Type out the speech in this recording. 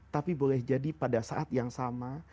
tapi boleh jadi pada saat yang sama